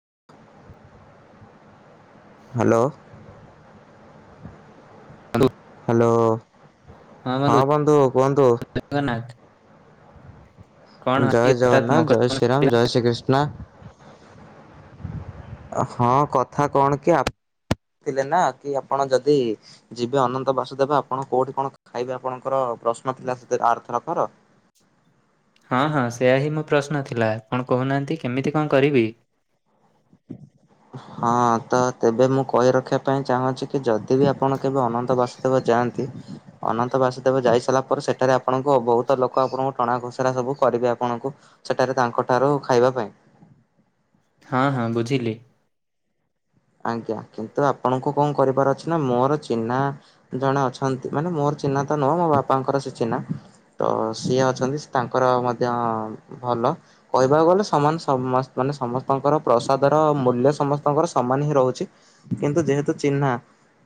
[inaudible] Hello. Hello. Hello ହଁ ବନ୍ଧୁ କୁହନ୍ତୁ। ଜଗନ୍ନାଥ କଣ ଆଜି ଜୟ ହଠାତ୍ ଜଗନ୍ନାଥ ମକର ଜୟ ଫୋନ ଶ୍ରୀରାମ କରିଦେଲା? ଜୟ ଶ୍ରୀକ୍ରିଷ୍ଣା। ହଁ କଥା କଣ କି ଆ ଥିଲେ ନା କି ଆପଣ ଯଦି ଯିବେ ଅନନ୍ତ ବାସୁଦେବ ଆପଣ କୋଉଠି କଣ ଖାଇବେ ଆପଣଙ୍କର। ପ୍ରଶ୍ନ ଥିଲା ସେତେ ଆରଥର କର। ହଁ ହଁ ସେୟା ହିଁ ମୋ ପ୍ରଶ୍ନ ଥିଲା ଆପଣ କହୁନାହାନ୍ତି କେମିତି କଣ କରିବି। ହଁ ତ ତେବେ ମୁଁ କହି ରଖିବା ପାଇଁ ଚାହୁଁଛି କି ଯଦି ବି ଆପଣ କେବେ ଅନନ୍ତ ବାସୁଦେବ ଯାଆ ଛି ଅନନ୍ତ ବାସୁଦେବ ଯାଇ ସାରିଲା ପରେ ସେଠାରେ ଆପଣଙ୍କୁ ବହୁତ ଲୋକ ଆପଣଙ୍କୁ ଟଣା ଘୋସରା ସବୁ କରିବେ ଆପଣଙ୍କୁ ସେଠାରେ ତାଙ୍କଠାରୁ ଖାଇବା ପାଇଁ। ହଁ ହଁ ବୁଝିଲି। ଆଜ୍ଞା କିନ୍ତୁ ଆପଣଙ୍କୁ କଣ କରିବାର ଅଛି ନା ମୋର ଚିହ୍ନା ଜଣେ ଅଛନ୍ତି ମାନେ ମୋର। ଚିହ୍ନା ତ ନୁହଁ ମୋ ବାପାଙ୍କର ସେ ଚିହ୍ନା ତ ସିଏ ଅଛନ୍ତି ତାଙ୍କର ମଧ୍ଯ ଅଁ ଭ ଭଲ କହିବାକୁ ଗଲେ ସମାନ୍ ସମସ ମାନେ ସମସ୍ତଙ୍କର ପ୍ରସାଦର ମୂଲ୍ୟ ସମସ୍ତଙ୍କର ସ ସମାନ ହିଁ ରହୁଛି କିନ୍ତୁ ଯେହେତୁ ଚିହ୍ନା।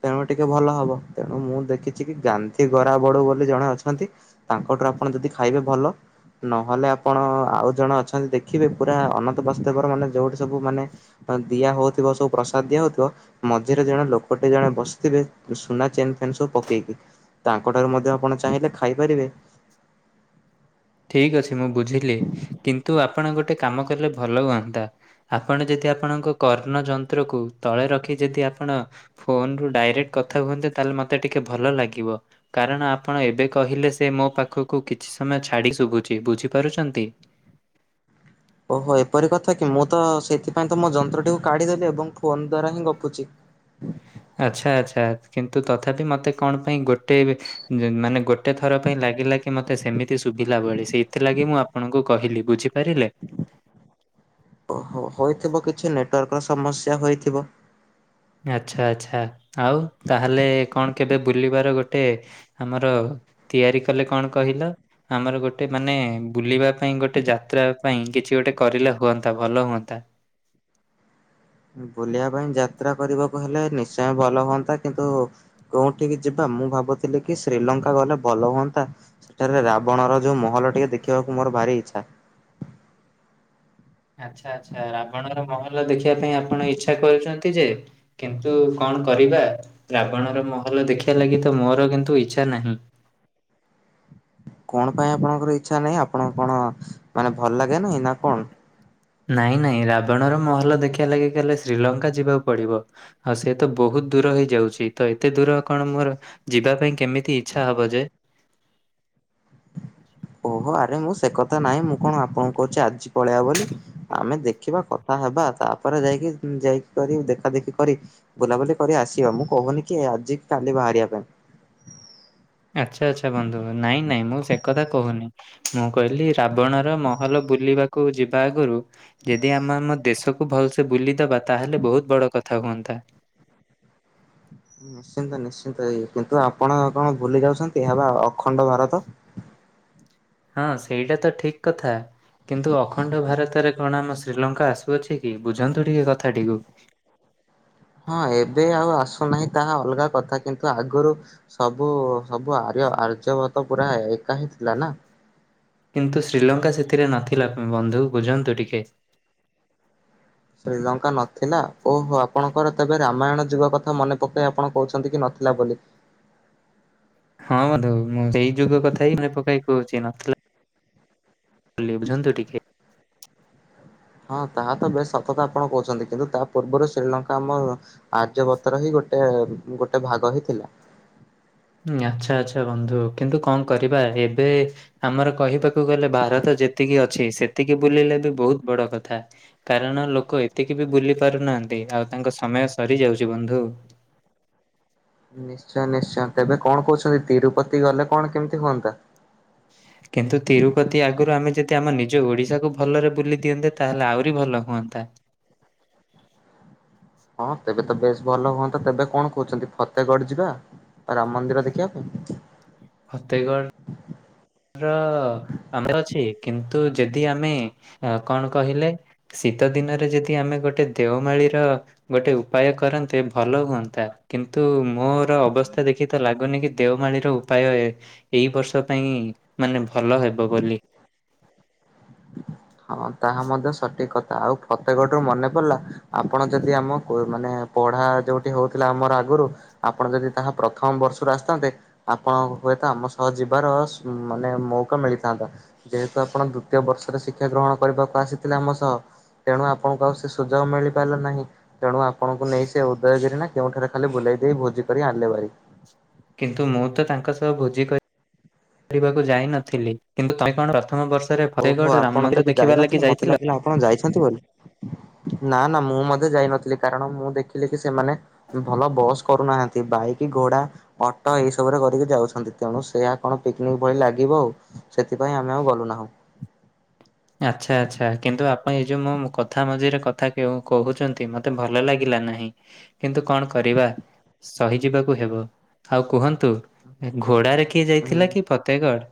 ତେଣୁ ଟିକେ ଭଲ ହବ ତେଣୁ ମୁଁ ଦେଖିଛି କି ଗାନ୍ଧୀଗରା ବଡ଼ୁବୋଲି ଜଣେ ଅଛନ୍ତି ତାଙ୍କଠ ଆପଣ ଯଦି ଖାଇବେ ଭଲ। ନହେଲେ ଆପଣ ଆଉ ଜଣ ଅଛନ୍ତି ଦେଖିବେ ପୁରା ଅନନ୍ତ ବସୁଦେବର ମାନେ ଯୋଉଠି ସବୁ ମାନେ। ହଁ ଦିଆ ହଉଥ ଥିବ ସବୁ ପ୍ରସାଦ ଦିଆହଉଥିବ ମଝିରେ ଜଣେ ଲୋକଟେ ଜଣେ ବସିଥିବେ ଯଉ ସୁନା ଚେନ୍ ଫେନ୍ ସବୁ ପକେଇକି। ତାଙ୍କ ଠାରୁ ମଧ୍ୟ ଆପଣ ଚାହିଁଲେ ଖାଇପାରିବେ। ଠିକ୍ ଅଛି ମୁଁ ବୁଝିଲି କିନ୍ତୁ ଆପଣ ଗୋଟେ କାମ କରିଲେ ଭଲ ହୁଅନ୍ତା ଆପଣ ଯଦି ଆପଣଙ୍କ କର୍ଣ୍ଣଯନ୍ତ୍ରକୁ ତଳେ ରଖି। ଯଦି ଆପଣ ଫୋନ୍ ରୁ ଡାଇରେକ୍ଟ୍ କଥା ହୁଅନ୍ତେ ତାହେଲେ ମତେ ଟିକେ ଭଲ ଲାଗିବ କାରଣ ଆପଣ। ଏବେ କହିଲେ ସେ ମୋ ପାଖକୁ କିଛି ସମୟ ଛାଡ଼ି ଶୁଭୁଚି ବୁଝିପାରୁଛନ୍ତି। ଓହୋ ଏପରି କଥା କି ମୁଁ ତ ସେଥିପାଇଁ ତ ମୋ ଯନ୍ତ୍ରଟିକୁ କାଢିଦେଲି ଏବଂ ଫୋନ ଦ୍ଵାରା ହିଁ ଗପୁଚି। ଆଚ୍ଛା ଆଚ୍ଛା କିନ୍ତୁ ତଥାପି ମତେ କଣ ପାଇଁ ଗୋଟେ ବି ଜ ମାନେ ଗୋଟେ ଥର ପାଇଁ ଲାଗିଲା। କି ମତେ ସେମିତି ଶୁଭିଲା ଭଳି ସେଇଥିଲାଗି ମୁଁ ଆପଣଙ୍କୁ କହିଲି ବୁଝିପାରିଲେ। ଓ ହୋ ହୋଇଥିବ କିଛି ନେଟୱାର୍କ ର ସମସ୍ୟା ହୋଇଥିବ। ଆଚ୍ଛା ଆଚ୍ଛା ଆଉ ତାହେଲେ କଣ କେବେ ବୁଲିବାର ଗୋଟେ ଆମର। ତିଆରି କଲେ କଣ କହିଲ ଆମର ଗୋଟେ ମାନେ ବୁଲିବା। ପାଇଁ ଗୋଟେ ଯାତ୍ରା ପାଇଁ କିଛି ଗୋଟେ କରିଲେ ହୁଅନ୍ତା ଭଲ ହୁଅନ୍ତା। ବୁଲିବା ପାଇଁ ଯାତ୍ରା କରିବାକୁ ହେଲେ ନିଶ୍ଚୟ ଭଲ ହୁଅନ୍ତା କିନ୍ତୁ କୋଉଁଠିକି ଯିବା। ମୁଁ ଭାବୁଥିଲି କି ଶ୍ରୀଲଙ୍କା ଗଲେ ଭଲ ହୁଅନ୍ତା ସେଠାରେ ରାବଣର ଯୋଉ ମହଲ ଟିକେ ଦେଖିବାକୁ ମୋର ଭାରି ଇଚ୍ଛା। ଆଚ୍ଛା ଆଚ୍ଛା ରାବଣର ମହଲ ଦେଖିବା ପାଇଁ ଆପଣ ଇଚ୍ଛା କରୁଛନ୍ତି ଯେ କିନ୍ତୁ କ କଣ କରିବା ରାବଣର ମ ହଲ ଦେଖିବା ଲାଗି ତ ମୋର କିନ୍ତୁ ଇଚ୍ଛା ନାହିଁ। କଣ ପାଇଁ ଆପଣଙ୍କର ଇଚ୍ଛା ନାହିଁ ଆପଣ କଣ ମାନେ ଭଲଲାଗେନି ନା କଣ। ନାଇଁ ନାଇଁ ରାବଣର ମହଲ ଦେଖିଆ ଲାଗି ଗଲେ ଶ୍ରୀଲଙ୍କା ଯିବାକୁ ପଡିବ ଆଉ ସେ ତ ବହୁ ବହୁତ ଦୂର ହେଇଯାଉଛି ତ ଏତେ ଦୂର କଣ ମୋର ଯିବା ପାଇଁ କେମିତି ଇଛା ହବ ଯେ ଓହୋ ଆରେ ମୁଁ ସେ କଥା ନାହିଁ ମୁଁ କଣ ଆପଣଙ୍କୁ କହୁଛି ଆଜି ପଳେଇବା ବୋଲି ଆମେ ଦେଖିବା କଥା ହେବା ତାପରେ ଯାଇକି ଯାଇକିକରି ଦେଖା ଦେେଖି କରି ବୁଲାବୁଲି କରି ଆସିବା ମୁଁ କହୁନି କି ଏଆ ଆଜି କି କାଲି ବାହାରିବା ପାଇଁ। ଆଛା ଆଛା ବନ୍ଧୁ ନାଇଁ ନାଇଁ ମୁଁ ସେ କଥା କୋହୁନି ମୁଁ କହିଲି ରାବଣର ମହଲ ବ୍ ବୁଲିବାକୁ ଯିବା ଆଗରୁ ଯେଦି ଆମେ ଆମ ଦେଶକୁ ଭଲସେ ବୁଲିଦବା ତାହେଲେ ବହୁତ ବଡ କଥା ହୁଅନ୍ତା। ନିଶ୍ଚିନ୍ତ ନିଶ୍ଚିନ୍ତ ଏଇ କିନ୍ତୁ ଆପଣ କଣ ଭୁଲି ଯାଉଛନ୍ତି ଏହା ବା ଅଖଣ୍ଡ ଭାରତ। ହଁ ସେଇଟା ତ ଠିକ୍ କଥା। କିନ୍ତୁ ଅଖଣ୍ଡ ଭାରତରେ କଣ ଆମ ଶ୍ରୀଲଙ୍କା ଆସୁଅଛି କି ବୁଝନ୍ତୁ ଟିକେ କଥାଟିକୁ ହଁ ଏବେ ଆଉ ଆସୁନାହିଁ ତାହା ଅଲଗା କଥା କିନ୍ତୁ ଆଗରୁ ସବୁ ଉ ସବୁ ଆର୍ ଆର୍ଯ୍ୟବତ ପୁରା ଏକା ହିଁ ଥିଲା ନା। କିନ୍ତୁ ଶ୍ରୀଲଙ୍କା ସେଥିରେ ନଥିଲା ବନ୍ଧୁ ବୁଝନ୍ତୁ ଟିକେ ଶ୍ରୀଲଙ୍କା ନଥିଲା। ଓହୋ ଆପଣଙ୍କର ତେବେ ରାମାୟଣ ଯୁଗ କଥା ମନେ ପକେଇ ଆପଣ କହୁଛନ୍ତି କି ନଥିଲା। ବୋଲି ହଁ ବନ୍ଧୁ ମୁଁ ସେଇ ଯୁଗ କଥା ହିଁ ମେନେପକାଇ କୋହୁଚି ନଥିଲା ବୋଲି। ବୁଝନ୍ତୁ ଟିକେ ହଁ ତାହା ତ ବେଶ ସତତ ଆପଣ କହୁଛନ୍ତି କିନ୍ତୁ ତା ପୂର୍ବରୁ ଶ୍ରୀଲଙ୍କା ଆମ ଆର୍ଯ୍ୟବତର ହେଇଗୋଟେ ଗୋଟେ ଗୋଟେ ଭାଗ ହିଁ ଥିଲା। ହଁ ଆଛା ଆଛା ବନ୍ଧୁ କିନ୍ତୁ କଣ କରିବା ଏବେ ଆମର କହିବାକୁ ଗଲେ ଭାରତ ଯେତିକି ଅଛି ସେତିକି ବୁଲିଲେ ବି ବହୁତ ବଡ କଥା କାରଣ ଲୋକ ଏତିକି ବି ବୁଲି ପାରୁନାହାନ୍ତି। ଆଉ ତାଙ୍କ ସମୟ ସରିଯାଉଛି ବନ୍ଧୁ। [inaudible] ନିଶ୍ଚୟ ନିଶ୍ଚୟ ତେବେ କଣ କହୁଛନ୍ତି ତିରୁପତି ଗଲେ କଣ କେମିତି ହୁଅନ୍ତା। କିନ୍ତୁ ତିରୁପତି ଆଗରୁ ଆମେ ଯେ ତେ ଆମ ନିଜ ଓଡିଶାକୁ ଭଲରେ ବୁଲି ଦିଅନ୍ତେ ତାହେଲେ ଆହୁରି ଭଲ ହୁଅନ୍ତା। ହଁ ତେବେ ତ ବେଶ ଭଲ ହୁଅନ୍ତା। ତେବେ କଣ କହୁଛନ୍ତି ଫତେଗଡ ଯିବା। ରାମ ମନ୍ଦିର ଦେଖିବା ପାଇଁ। ଫତେଗଡ ର ଅ ଆମର ଅଛି। କିନ୍ତୁ ଯଦି ଆମେ କଣ କହିଲେ ଶୀତ ଦିନରେ ଯଦି ଆମେ ଗୋଟେ ଦେଓମାଳି ର ଗୋଟେ ଉପାୟ କରନ୍ତେ ଭଲ ହୁଅନ୍ତା। କିନ୍ତୁ ମୋର ଅବସ୍ଥା ଦେଖି ତ ଲାଗୁନି ନିକି ଦେଓମାଳିର ଉପାୟ ଏଇ ବର୍ଷ ପାଇଁ ମାନେ ଭଲ ହେବ ବୋଲି। ହଁ ତାହା ମଧ୍ୟ ସଠିକ କଥା ଆଉ ଫତେଗଡରୁ ମନେ ପଡିଲା ଆପଣ ଯଦି ଆମ ମାନେ ପଢା ଯୋଉଠି ହଉଥିଲା। ଆମର ଆଗରୁ ଆପଣ ଯଦି ତାହା ପ୍ରଥମ ବର୍ଷରୁ ଆସିଥାନ୍ତେ ଆପଣ ହୁଏତ ଆମ ସହ ଯିବାରମାନେ ମୌକ ମିଳିଥାନ୍ତା। ଯେହେତୁ ଆପଣ ଦ୍ଵିତୀୟ ବର୍ଷରେ ସି ଶିକ୍ଷା ଗ୍ରହଣ କରିବାକୁ ଆସିଥିଲେ ଆମ ସହ ତେଣୁ ଆପଣଙ୍କୁ ଆଉ ସେ ସୁଯୋଗ ମିଳିପାରିଲା ନାହିଁ। ତେଣୁ ଆପଣଙ୍କୁ ନେଇ ସେ ଉଦୟଗିରି ନା କେଉଁଠାରେ ଖାଲି ବୁଲେଇ ଦେଇ ଭୋଜି କରି ଆଣିଲେ ଭାରି। କିନ୍ତୁ ମୁଁ ତ ତାଙ୍କ ସହ ଭୋଜି କରି ବାକୁ ଯାଇ ନଥିଲି। କିନ୍ତୁ ତମେ କଣ ପ୍ରଥମ ବର୍ଷ ଓହୋ ଆପଣ ତେବେ ଯାଇ ନଥିଲେ ମତେ ଲାଗିଲା ଆପଣ ଯାଇଛନ୍ତି ବୋଲି। ନା ନା ମୁଁ ମଧ୍ୟ ଯାଇନଥିଲି। କାରଣ ମୁଁ ଦେଖିଲି କି ସେମାନେ ଭଲ ବସ୍ କରୁନାହାନ୍ତି ବାଇକ୍ ଘୋଡା, ଅଟୋ ଏଇ ସବୁରେ କରିକି ଯାଉଛନ୍ତି ତେଣୁ ସେୟା କଣ ପିକନିକ ଭଳି ଲାଗିବ ଆଉ ସେଥିପାଇଁ ଆମେ ଗଲୁ ନାହୁଁ। ଆଛା ଆଛା କିନ୍ତୁ ଆପଣ ଏଇ ଯୋଉ ମୋ ମ କଥା ମଝିରେ କଥା କହୁଛନ୍ତି ମତେ ଭଲ ଲାଗିଲା ନାହିଁ କିନ୍ତୁ କଣ କରିବା ସହିଯିବାକୁ ହେବ ଆଉ କୁହନ୍ତୁ ଘୋଡାରେ କିଏ ଯାଇଥିଲା ହୁଁ କି ପତେଗଡ଼।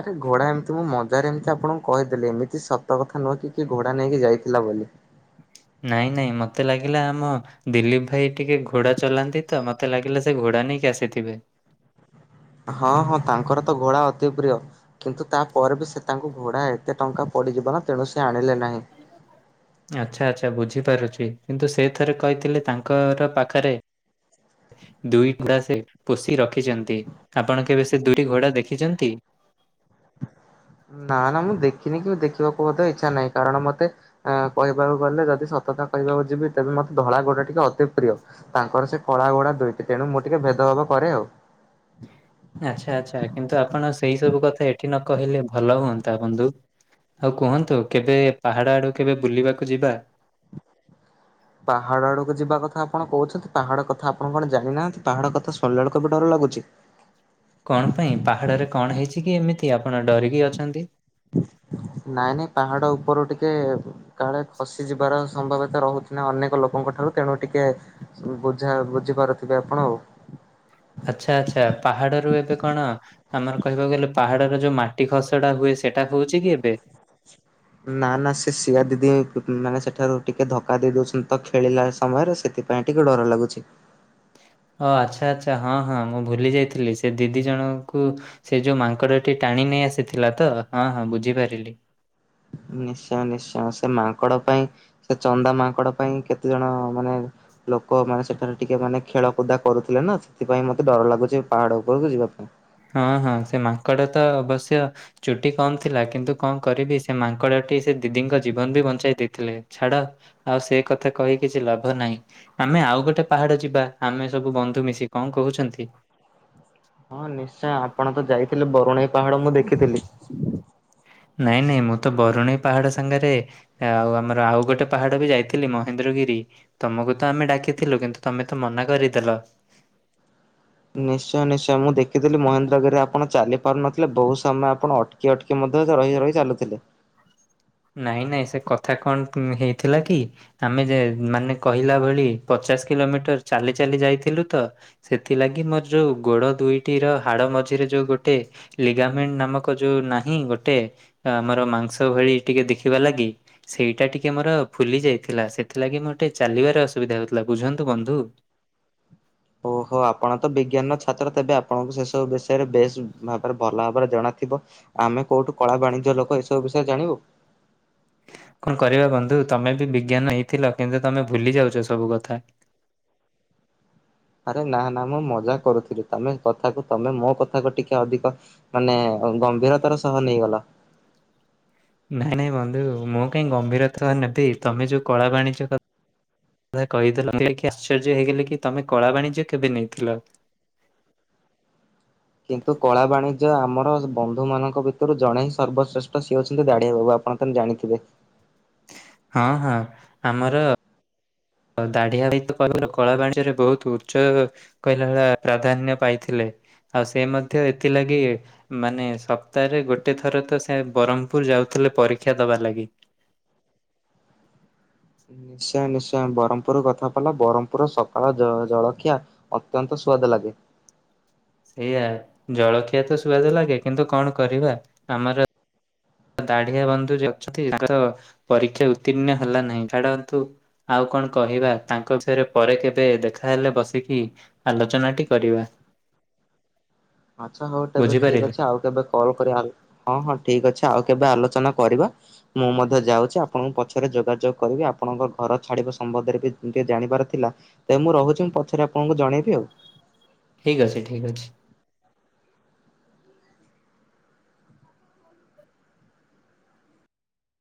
ଆରେ ଘୋଡା ଏମିତି ମୁଁ ମଜାରେ ଏମିତି ଆପଣଙ୍କୁ କହିଦେଲି ଏମିତି ସତ କଥା ନୁହଁ କି ଘୋଡା ନେଇକି ଯାଇଥିଲା ବୋଲି। ଆଲୋ। ନାଇଁ ନାଇଁ ମତେ ଲାଗିଲା ଆମ ଦିଲ୍ଲୀପ ଭାଇ ଟିକେ ଘୋଡ଼ା ଚଲାନ୍ତି ତ ମତେ ଲାଗିଲା ସେ ଘୋଡ଼ା ନେଇ ଆସିଥିବେ। [unintelligible] ହଁ ହଁ ତାଙ୍କର ତ ଘୋଡା ଅଧିକ ପ୍ରିୟ, କିନ୍ତୁ ତା ପରେ ବି ସେ ତାଙ୍କୁ ଘୋଡା ଏତେ ଟଙ୍କା ପ ପଡିଯିବ ନା ତେଣୁ ସେ ଆଣିଲେ ନାହିଁ। ଆଚ୍ଛା ଆଚ୍ଛା ବୁଝିପାରୁଛି କିନ୍ତୁ ସେ ଥରେ କହିଥିଲେ ତାଙ୍କର ପାଖରେ ଦୁଇ [inaudible] ପୁସି ରଖି ଛନ୍ତି ଆପଣ କେବେ ସେ ଦୁଇଟି ଘୋଡା ଦେଖିଛନ୍ତି? ନା ନା ମୁଁ ଦେଖିନି କି ଦେଖିବାକୁ ମଧ୍ୟ ଇଚ୍ଛା ନାହିଁ। କାରଣ ମତେ କହିବାକୁ ଗଲେ ଯଦି କହିବାକୁ ଯିବି ତେବେ ମୋତେ ଧଳା ଘୋଡା ଟିକେ ଅତି ପ୍ରିୟ। ତାଙ୍କର ସେ କଳା ଗୋଡା ଦୁଇଟି ତେଣୁ ମୁଁ ଟିକେ ଭେଦ କରେ ଆଉ। ଆଚ୍ଛା ଆଚ୍ଛା କିନ୍ତୁ ଆପଣ ସେଇ ସବୁ କଥା ଏଠି ନ କହିଲେ ଭଲ ହୁଅନ୍ତା ବନ୍ଧୁ? ଆଉ କୁହନ୍ତୁ କେବେ ପାହାଡ ଆଡୁ କେବେ ବୁଲିବାକୁ ଯିବା? [inaudible] ପାହାଡ ଆଡକୁ ଯିବା କଥା ଆପଣ କହୁଛନ୍ତି ପାହାଡ କଥା ଆପଣ କଣ ଜାଣିନାହାନ୍ତି ପାହାଡ କଥା ସରିଲା ବେଳକୁ ବି ଡର ଲାଗୁଛି। [inaudible] କଣ ପାଇଁ ପାହାଡରେ କଣ ହେଇଛି କି ଏମିତି? ଆପଣ ଡରିକି ଅଛନ୍ତି? ନାଇଁ ନାଇଁ ପାହାଡ ଉପର ଟିକେ କାଳେ ଖସି ଯିବାର ସମ୍ଭବ ତ ରହୁଛି ନା ଅନେକ ଲୋକଙ୍କ ଠାରୁ ତେଣୁ ଟିକେ ବୁଝା ବୁଝିପାରୁଥିବେ ଆପଣ ଆଉ। ଆଚ୍ଛା ଆଚ୍ଛା ପାହାଡ ରୁ ଏବେ କଣ ଆମର କହିବାକୁ ଗଲେ ପାହାଡରେ ଯୋଉ ମାଟି ଖସଡା ହୁଏ। ସେଇଟା ହଉଛି କି ଏବେ? ଛି [inaudible] ନା ନା ସେ ସିଆ ଦିଦି ମାନେ ସେଠାରୁ ଟିକେ ଧକ୍କା ଦେଇ ଦଉଛନ୍ତି ତ ଖେଳିଲା ସମୟରେ ସେଥି ପାଇଁ ଟିକେ ଡର ଲାଗୁଛି। ଓ ଆଚ୍ଛା ଆଚ୍ଛା ହଁ ହଁ ମୁଁ ଭୁଲି ଯାଇଥିଲି ସେ ଦିଦି ଜଣଙ୍କୁ ସେ ଯୋଉ ମାଙ୍କଡ ଟି ଟାଣି ନେଇ ଆସିଥିଲା ତ ହଁ ହଁ ବୁଝିପାରିଲି। [inaudible] ନିଶ୍ଚୟ ନିଶ୍ଚୟ ସେ ମାଙ୍କଡ ପାଇଁ ସେ ଚନ୍ଦା ମାଙ୍କଡ ପାଇଁ କେତେ ଜଣ ମାନେ ଲୋକ ମାନେ ସେଠାରେ ଟିକେ ମାନେ ଖେଳକୁଦା କରୁଥିଲେ ନା ସେଥିପାଇଁ ମତେ ଡର ଲାଗୁଛି ପାହାଡ ଉପରକୁ ଯିବା ପାଇଁ। ହଁ ହଁ ସେ ମାଙ୍କଡା ତ ଅବଶ୍ୟ ଚୁଟି କମ ଥିଲା କିନ୍ତୁ କଣ କରିବି ସେ ମାଙ୍କଡ ସେ ଦିଦିଙ୍କ ଜୀବନ ବି ବଞ୍ଚାଇ ଦେଇଥିଲେ ଛାଡ ଆଉ ସେ କଥା କହି କିଛି ଲାଭ ନାହିଁ। ଆମେ ଆଉ ଗୋଟେ ପାହାଡ ଯିବା ଆମେ ସବୁ ବନ୍ଧୁ ମିଶି କଣ କହୁଛନ୍ତି? ହଁ ନିଶ୍ଚୟ ଆପଣ ତ ଯାଇଥିଲେ ବରୁଣେଇ ପାହାଡ ମୁଁ ଦେଖିଥିଲି। ନାଇଁ ନାଇଁ ମୁଁ ତ ବରୁଣେଇ ପାହାଡ ସାଙ୍ଗରେ ଆଉ ଆମର ଆଉ ଗୋଟେ ପାହାଡ ବି ଯାଇଥିଲି ମହେନ୍ଦ୍ରଗିରି। ତମକୁ ତ ଆମେ ଡାକିଥିଲୁ କିନ୍ତୁ ତମେ ତ ମନା କରିଦେଲ। [inaudible] ନିଶ୍ଚୟ ନିଶ୍ଚୟ ମୁଁ ଦେଖିଥିଲି ମହେନ୍ଦ୍ରଗିରିରେ ଆପଣ ଚାଲି ପାରୁନଥିଲେ ବହୁତ ସମୟ ଆପଣ ଅଟକି ଅଟକି ରହି ରହି ଚାଲୁଥିଲେ। ନାଇଁ ନାଇଁ ସେ କଥା କଣ ହେଇଥିଲା କି ଆମେ ଯେ ମାନେ କହିଲା ଭଳି ପଚାଶ କିଲୋମିଟର ଚାଲି ଚାଲି ଯାଇଥିଲୁ ତ ସେଥିଲାଗି ମୋର ଯୋଉ ଗୋଡ ଦୁଇଟିର ହାଡ ମଝିରେ ଯୋଉ ଗୋଟେ ଲିଗାମେଣ୍ଟ ନାମକ ଯୋଉ ନାହିଁ ଗୋଟେ ଆମର ମାଂସ ଭଳି ଟିକେ ଦେଖିବା ଲାଗି ସେଇଟା ଟିକେ ମୋର ଫୁଲି ଯାଇଥିଲା ସେଥିଲାଗି ମୋର ଟିକେ ଚାଲିବାରେ ଅସୁବିଧା ହେଉଥିଲା। ବୁଝନ୍ତୁ ବନ୍ଧୁ। [inaudible] ଓହୋ ଆପଣ ତ ବିଜ୍ଞାନ ଛାତ୍ର ତେବେ ଆପଣଙ୍କୁ ସେ ସବୁ ବିଷୟରେ ବେଶ ଭାବରେ ଭଲ ଭାବରେ ଜଣାଥିବ। ଆମେ କୋଉଠୁ କଳା ବାଣିଜ୍ୟ ଲୋକ, ଏସବୁ ବିଷୟରେ ଜାଣିବୁ। କଣ କରିବା ବନ୍ଧୁ, ତମେ ବି ବିଜ୍ଞାନ ନେଇଥିଲ କିନ୍ତୁ ତମେ ଭୁଲି ଯାଉଛ ସବୁ କଥା। [inaudible] ଆରେ ନା ନା ମୁଁ ମଜା କରୁଥିଲି, ତମେ କଥାକୁ ତମେ ମୋ କଥାକୁ ଟିକେ ଅଧିକ ମାନେ ଗମ୍ଭୀରତାର ସହ ନେଇଗଲ। ନାଇଁ ନାଇଁ ବନ୍ଧୁ ମୁଁ କାହିଁ ଗମ୍ଭୀରତା ନେବି, ତମେ ଯୋଉ କଳା ବାଣିଜ୍ୟ କଥା କହିଦେଲ, ଆଶ୍ଚର୍ଯ୍ୟ ହେଇଗଲେ କି ତମେ କଳା ବାଣିଜ୍ୟ କେବେ ନେଇଥିଲ? [inaudible] କିନ୍ତୁ କଳା ବାଣୀ ଯେ -ଆମର ବନ୍ଧୁ ମାନଙ୍କ ଭିତରୁ ଜଣେ ହିଁ ସର୍ବଶ୍ରେଷ୍ଠ, ସିଏ ହେଉଛନ୍ତି ଦାଡିଆ ବାବୁ, ଆପଣ ତ ଜାଣିଥିବେ? ହଁ ହଁ ଆମର। ଦାଢିଆ ଭାଇ କଳା ବାଣିଜ୍ୟରେ ବହୁତ ଉଚ୍ଚ କହିଲା ଭ ପ୍ରାଧାନ୍ୟ ପାଇଥିଲେ। ଆଉ ସେ ମଧ୍ୟ ଏଥିଲାଗି ମାନେ ସପ୍ତାହରେ ଗୋଟେ ଥର ତ ସେ ବ୍ରହ୍ମପୁର ଯାଉଥି ପରୀକ୍ଷା ଦବା ଲାଗି। [inaudible] ନିଶ୍ଚୟ, ନିଶ୍ଚୟ, ବ୍ରହ୍ମପୁର କଥା ପଡିଲା, ବ୍ରହ୍ମପୁରର ସକାଳ ଜଳଖିଆ ଅତ୍ୟନ୍ତ ସ୍ଵଦ ଲାଗେ। ସେଇଆ, ଜଳଖିଆ ତ ସୁଆଦ ଲାଗେ, କିନ୍ତୁ କଣ କରିବା ଆମର ଦାଢିଆ ବନ୍ଧୁ ଅଛନ୍ତି, ତାଙ୍କ ପରୀକ୍ଷା ଉତ୍ତୀର୍ଣ୍ଣ ହେଲା ନହିଁ, ଛାଡନ୍ତୁ। ଆଉ କଣ କହିବା, ତାଙ୍କ ବିଷୟରେ ପରେ କେବେ ଦେଖାହେଲେ ବସିକି ଆଲୋଚନାଟି କରିବା। ଆଚ୍ଛା ହଉ, ତେବେ ଠିକ ବୁଝିପାରିଲେ ଅଛି, ଆଉ କେବେ କଲ କରି, ହଁ ହଁ ଠିକ ଅଛି ଆଉ କେବେ ଆଲୋଚନା କରିବା, ମୁଁ ମଧ୍ୟ ଯାଉଛି, ଆପଣଙ୍କୁ ପଛରେ ଯୋଗାଯୋଗ କରିବି, ଆପଣଙ୍କ ଘର ଛାଡିବ ସମ୍ରେ [unintelligible] ଟିକେ ଜାଣିବାର ଥିଲା, ତେବେ ମୁଁ ରହୁଛି, ମୁଁ ପଛରେ ଆପଣଙ୍କୁ ଜଣେଇବି, ଆଉ ଠିକ ଅଛି, ଠିକ ଅଛି।